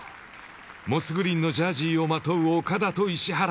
モスグリーンのジャージをまとう岡田と石原。